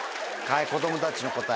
子供たちの答え。